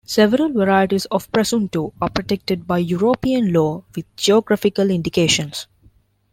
Several varieties of "presunto" are protected by European law with geographical indications.